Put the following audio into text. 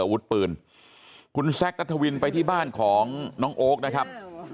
อาวุธปืนคุณแซคนัทวินไปที่บ้านของน้องโอ๊คนะครับ